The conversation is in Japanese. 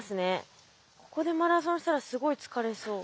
ここでマラソンしたらすごい疲れそう。